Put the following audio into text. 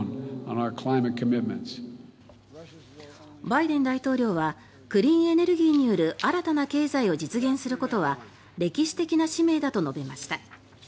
バイデン大統領はクリーンエネルギーによる新たな経済を実現することは歴史的な使命だと述べました。